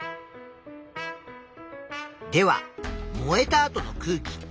では燃えた後の空気。